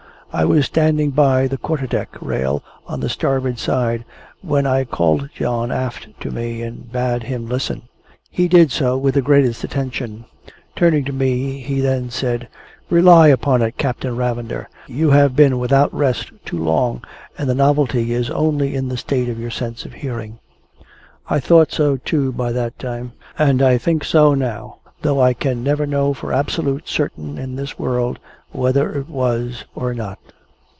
I was standing by the quarter deck rail on the starboard side, when I called John aft to me, and bade him listen. He did so with the greatest attention. Turning to me he then said, "Rely upon it, Captain Ravender, you have been without rest too long, and the novelty is only in the state of your sense of hearing." I thought so too by that time, and I think so now, though I can never know for absolute certain in this world, whether it was or not.